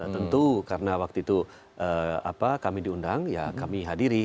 tentu karena waktu itu kami diundang ya kami hadiri